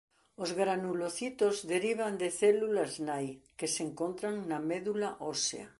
Os granulocitos derivan de células nai que se encontran na medula ósea.